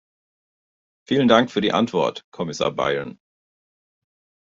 Vielen Dank für die Antwort, Kommissar Byrne.